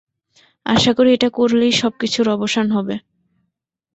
আশাকরি এটা করলেই সবকিছুর অবসান হবে।